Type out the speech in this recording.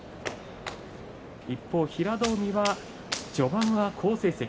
一方、平戸海は序盤は好成績。